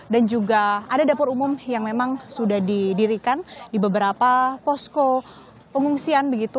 dan juga ada dapur umum yang memang sudah didirikan di beberapa posko pengungsian begitu